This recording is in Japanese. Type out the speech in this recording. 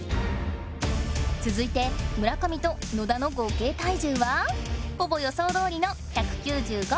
つづいて「村上と野田の合計体重」はほぼ予想どおりの１９５。